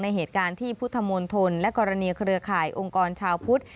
เหตุการณ์ที่พุทธมณฑลและกรณีเครือข่ายองค์กรชาวพุทธ